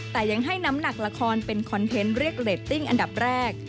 แต่ยังให้น้ำหนักละครเป็นคอนเทนต์เรียกเรตติ้งอันดับแรก